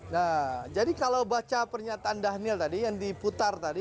nah jadi kalau baca pernyataan dhanil tadi yang diputar tadi